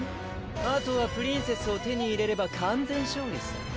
あとはプリンセスを手に入れれば完全勝利さ